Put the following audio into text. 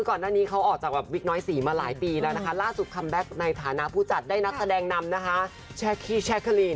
ก่อนหน้านี้เขาออกจากวิกน้อยศรีมาหลายปีแล้วล่าสุดคำแบ็คภาพภาพในฐานะผู้จัดได้นัดแสดงนำแชคการีน